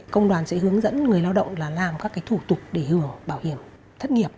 công đoàn sẽ hướng dẫn người lao động là làm các thủ tục để hưởng bảo hiểm thất nghiệp